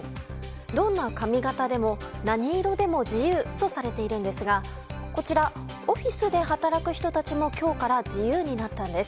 どんな髪形でも何色でも自由とされているんですがこちら、オフィスで働く人たちも今日から自由になったんです。